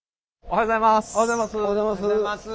おはようございます。